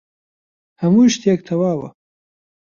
هەموو شتێک تەواوە.